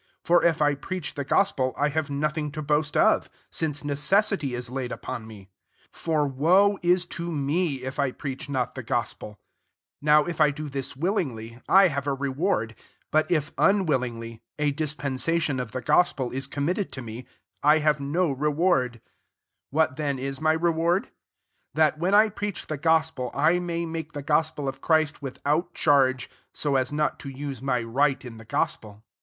16 For if I pVeach the gospel, I have nothing to boast of: since necessity is laid upon me ; for woe is to me if I preach not the gospeL 17 Now if I 4o this willingly, I have a reward : but if unwilling ly a dispensation of the goafiel is committed to me, / harve no reward, 18^ What then is my reward ? That, when I preach the gospel, I may make the gos pel [iqf Christ'] without charge, so as not to juse my right in Uie gospel.